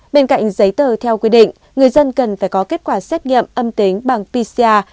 bên cạnh giấy tờ theo quy định người dân cần phải có kết quả xét nghiệm âm tính bằng pcr